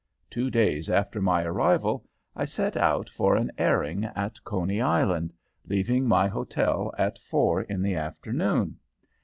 Two days after my arrival, I set out for an airing at Coney Island, leaving my hotel at four in the afternoon.